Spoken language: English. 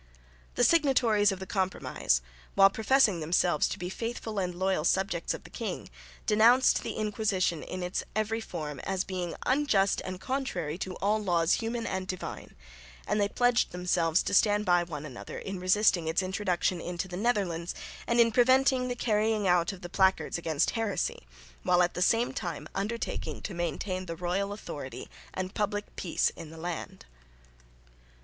The signatories of the Compromise, while professing themselves to be faithful and loyal subjects of the king, denounced the Inquisition in its every form "as being unjust and contrary to all laws human and divine"; and they pledged themselves to stand by one another in resisting its introduction into the Netherlands and in preventing the carrying out of the placards against heresy, while at the same time undertaking to maintain the royal authority and public peace in the land.